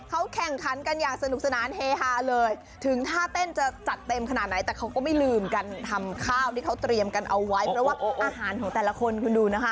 เขาแข่งขันกันอย่างสนุกสนานเฮฮาเลยถึงท่าเต้นจะจัดเต็มขนาดไหนแต่เขาก็ไม่ลืมกันทำข้าวที่เขาเตรียมกันเอาไว้เพราะว่าอาหารของแต่ละคนคุณดูนะคะ